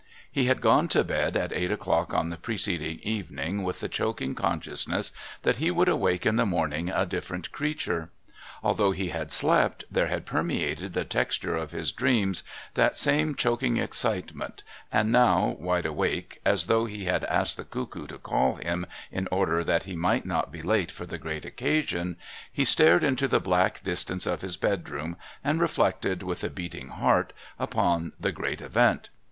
He had gone to bed at eight o'clock on the preceding evening with the choking consciousness that he would awake in the morning a different creature. Although he had slept, there had permeated the texture of his dreams that same choking excitement, and now, wide awake, as though he had asked the cuckoo to call him in order that he might not be late for the great occasion, he stared into the black distance of his bedroom and reflected, with a beating heart, upon the great event.